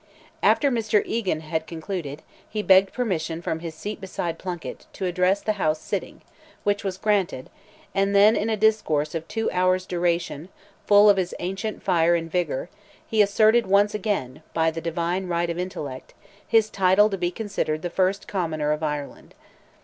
After Mr. Egan had concluded, he begged permission from his seat beside Plunkett, to address the House sitting, which was granted, and then in a discourse of two hours' duration, full of his ancient fire and vigour, he asserted once again, by the divine right of intellect, his title to be considered the first Commoner of Ireland.